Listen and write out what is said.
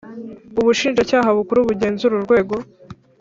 Ubushinjacyaha Bukuru bugenzura urwego.